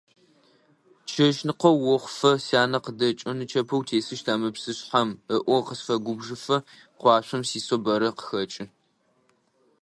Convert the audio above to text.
Чэщныкъо охъуфэ, сянэ къыдэкӀэу «нычэпэ утесыщта мы псышъхьэм» ыӀоу, къысфэгубжыфэ къуашъом сисэу бэрэ къыхэкӀы.